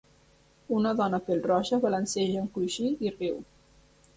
Una dona pèl-roja balanceja un coixí i riu.